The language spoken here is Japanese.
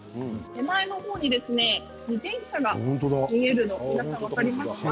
手前の方に自転車が見えるの皆さん、分かりますか？